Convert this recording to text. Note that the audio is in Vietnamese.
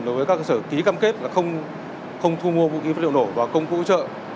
đối với các cơ sở ký cam kết là không thu mua vũ khí vật liệu nổ và công cụ hỗ trợ